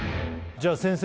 じゃ先生